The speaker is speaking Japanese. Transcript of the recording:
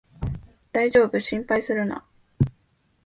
だいじょうぶ、心配するな